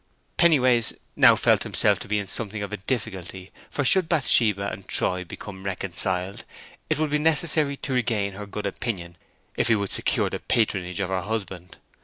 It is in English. Pennyways now felt himself to be in something of a difficulty, for should Bathsheba and Troy become reconciled it would be necessary to regain her good opinion if he would secure the patronage of her husband.